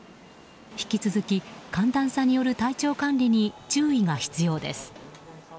引き続き、寒暖差による体調管理に注意が必要です。